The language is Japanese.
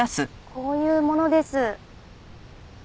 こういう者です。